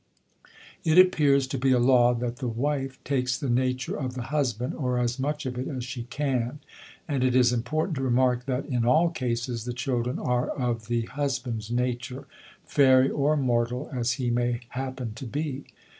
It appears to be a law that the wife takes the nature of the husband, or as much of it as she can, and it is important to remark that in all cases the children are of the husband's nature, fairy or mortal as he may happen to be.